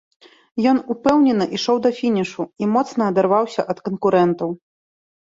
Ён упэўнена ішоў да фінішу і моцна адарваўся ад канкурэнтаў.